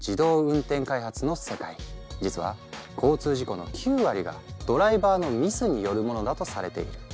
実は交通事故の９割がドライバーのミスによるものだとされている。